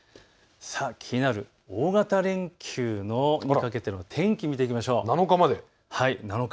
気になる大型連休の天気を見ていきましょう。